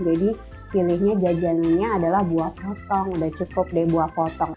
jadi pilihnya jajan ini adalah buat potong udah cukup deh buat potong